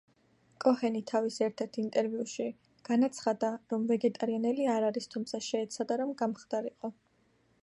კოჰენი თავის ერთ-ერთ ინტერვიუში განაცხადა, რომ ვეგეტარიანელი არ არის, თუმცა, შეეცადა რომ გამხდარიყო.